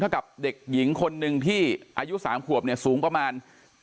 เท่ากับเด็กหญิงคนหนึ่งที่อายุ๓กว่ามีสูงประมาณ๘๕